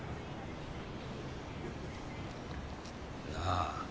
なあ